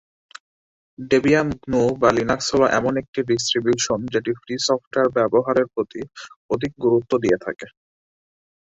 Debian GNU Linux হলো এমন একটি ডিস্ট্রিবিউশন যেটি ফ্রি সফটওয়্যার ব্যবহারের প্রতি অধিক গুরুত্ব দিয়ে থাকে।